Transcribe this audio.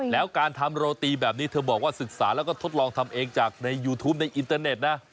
แล้วการทำโรตีแบบนี้เธอบอกว่าศึกษาแล้วก็ทดลองทำเองจากในยูทูปในอินเตอร์เน็ตนะ